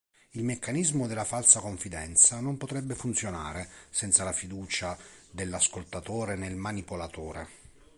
Il meccanismo della falsa confidenza non potrebbe funzionare senza la fiducia dell’ascoltatore nel manipolatore.